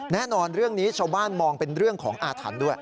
แน่นอนเรื่องนี้ชาวบ้านมองเป็นเรื่องของอาถรรพ์ด้วย